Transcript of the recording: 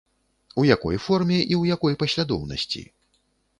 У якой форме і ў якой паслядоўнасці?